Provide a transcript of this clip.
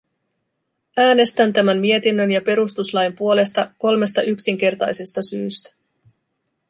Äänestän tämän mietinnön ja perustuslain puolesta kolmesta yksinkertaisesta syystä.